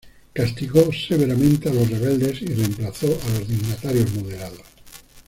Castigó severamente a los rebeldes y reemplazó a los dignatarios moderados.